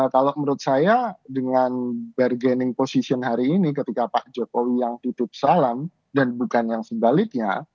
kalau menurut saya dengan bargaining position hari ini ketika pak jokowi yang hidup salam dan bukan yang sebaliknya